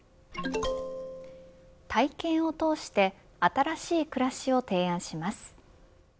体験をとおして新しい暮らしを提案します。